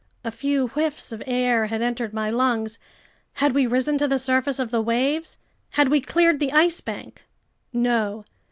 A few whiffs of air had entered my lungs. Had we risen to the surface of the waves? Had we cleared the Ice Bank? No!